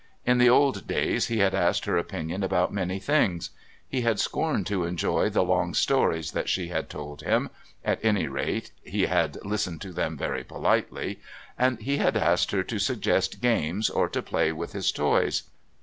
In the old days he had asked her opinion about many things; he had scorned to enjoy the long stories that she had told him at any rate, he had listened to them very politely and he had asked her to suggest games or to play with his toys.